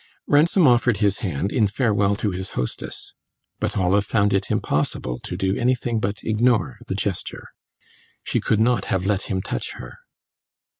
Ransom offered his hand in farewell to his hostess; but Olive found it impossible to do anything but ignore the gesture. She could not have let him touch her.